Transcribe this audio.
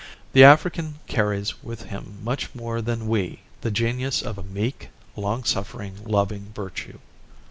The African carries with him much more than we the genius of a meek, long suffering, loving virtue."